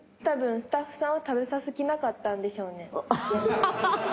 多分スタッフさんは食べさす気なかったんでしょうね。